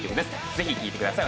ぜひ聴いてください。